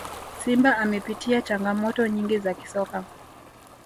simba imepitia changamoto nyingi za kisoka